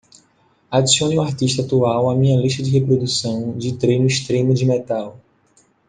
Adicione o artista atual à minha lista de reprodução de treino extremo de metal